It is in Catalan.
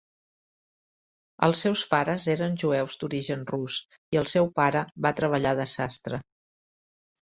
Els seus pares eren jueus d'origen rus i el seu pare va treballar de sastre.